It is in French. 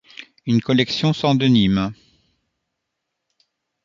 Une collection sans denim.